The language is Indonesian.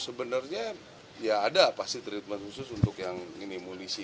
sebenarnya ya ada pasti treatment khusus untuk yang minimuli sih